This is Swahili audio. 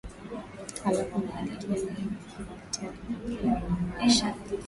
halafu niandikie ujumbe mfupi kupitia alama ya kujumlisha